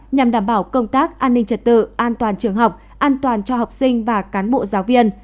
nhằm đảm bảo công tác an ninh trật tự an toàn trường học an toàn cho học sinh và cán bộ giáo viên